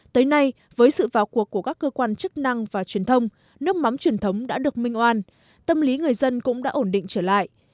tới nay với sự vào cuộc của các cơ quan chức năng và truyền thông nước mắm truyền thống đã được minh oan tâm lý người dân cũng đã ổn định trở lại